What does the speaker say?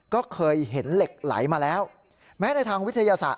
ก็เคยเห็นเหล็กไหลมาแล้วแม้ในทางวิทยาศาสต